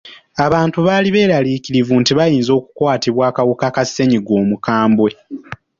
Abantu baali beeraliikirivu nti bayinza okukwatibwa akawuka ka ssenyiga omukambwe.